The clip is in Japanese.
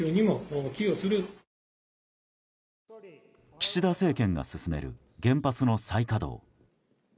岸田政権が進める原発の再稼働。